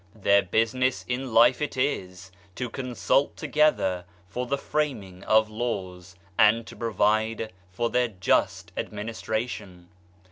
Their business in life it is to consult together for the framing of Laws, and to provide for their just administration.